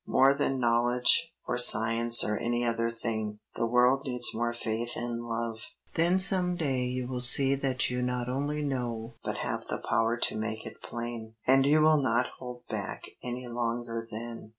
More than knowledge or science or any other thing, the world needs more faith in love.' Then some day you will see that you not only know but have power to make it plain, and you will not hold back any longer then.